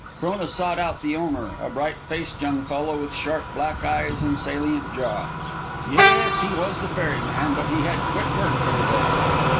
Frona sought out the owner, a bright faced young fellow, with sharp black eyes and a salient jaw. Yes, he was the ferryman, but he had quit work for the day.